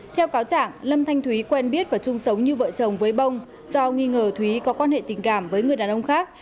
theo cáo chẳng lâm thanh thúy quen biết và chung sống như vợ chồng với bông do nghi ngờ thúy có quan hệ tình cảm với người đàn ông khác